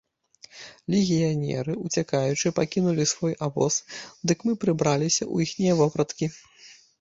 Легіянеры, уцякаючы, пакінулі свой абоз, дык мы прыбраліся ў іхнія вопраткі.